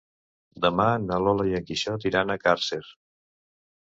Demà na Lola i en Quixot iran a Càrcer.